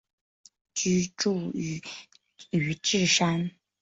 居住于宇治山。